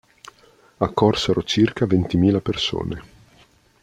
Accorsero circa ventimila persone.